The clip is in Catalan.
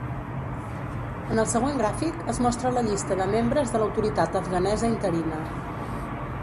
En el següent gràfic es mostra la llista de membres de l'autoritat afganesa interina.